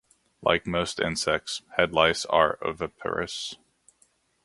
Like most insects, head lice are oviparous.